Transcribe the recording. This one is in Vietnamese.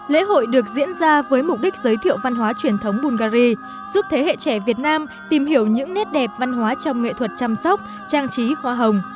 lễ hội được diễn ra với mục đích giới thiệu văn hóa truyền thống bungary giúp thế hệ trẻ việt nam tìm hiểu những nét đẹp văn hóa trong nghệ thuật chăm sóc trang trí hoa hồng